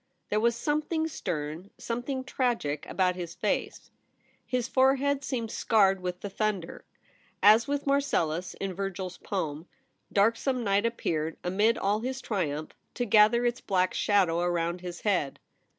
There was something stern, something tragic about his face. His forehead seemed scarred with the thunder. As with Marcellus in Virgil's poem, dark some night appeared, amid all his triumph, to gather its black shadow around his head.